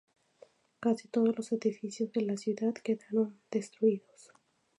Casi todos los edificios de la ciudad quedaron destruidos.